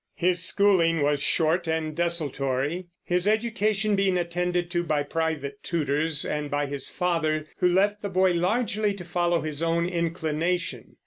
His schooling was short and desultory, his education being attended to by private tutors and by his father, who left the boy largely to follow his own inclination.